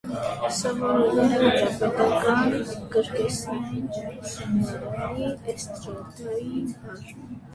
Սովորել է հանրապետական կրկեսային ուսումնարանի էստրադային բաժնում։